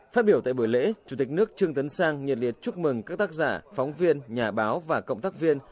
phát biểu tại buổi lễ chủ tịch nước trương tấn sang nhiệt liệt chúc mừng các tác giả phóng viên nhà báo và cộng tác viên